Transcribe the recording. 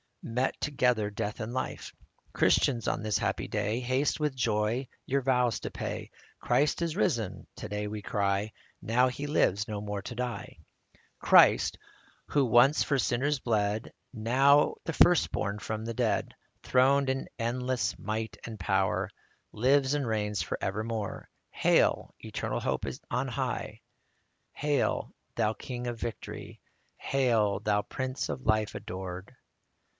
Met together death and life. Christians, on this happy day, Haste with joy your vows to pay :" Christ is risen," to day we cry; Now he lives no more to die. 61 Christ, who once for sinners bled, Now the first born from the dead, Throned in endless might and power, Lives and reigns for evermore. Hail, eternal Hope on high ! Hail, Thou King of victory ! Hail, Thou Prince of Life adored